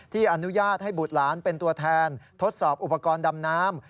อนุญาตให้บุตรหลานเป็นตัวแทนทดสอบอุปกรณ์ดำน้ำ